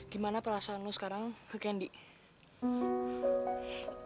gimana perasaan lo sekarang ke candy